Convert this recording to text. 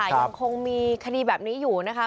ยังคงมีคดีแบบนี้อยู่นะคะ